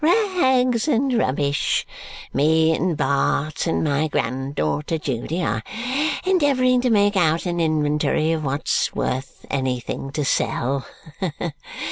Rags and rubbish! Me and Bart and my granddaughter Judy are endeavouring to make out an inventory of what's worth anything to sell.